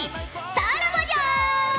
さらばじゃ！